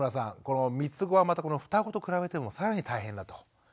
このみつごはまたこのふたごと比べても更に大変だと。